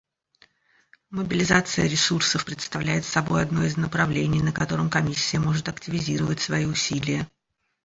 Мобилизация ресурсов представляет собой одно из направлений, на котором Комиссия может активизировать свои усилия.